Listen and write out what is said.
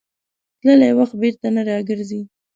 تللی وخت بېرته نه راګرځي.